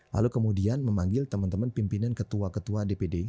lalu kemudian memanggil teman teman pimpinan ketua ketua dpd